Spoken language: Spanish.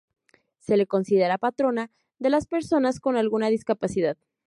Se le considera patrona de las personas con alguna discapacidad.